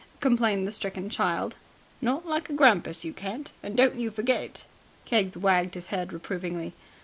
complained the stricken child. "Not like a grampus you can't, and don't you forget it." Keggs wagged his head reprovingly.